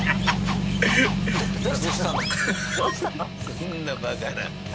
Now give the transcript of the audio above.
そんなバカな。